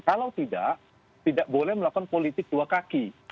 kalau tidak tidak boleh melakukan politik dua kaki